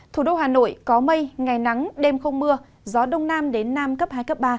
thủ đô hà nội có mây ngày nắng đêm không mưa gió đông nam đến nam cấp hai cấp ba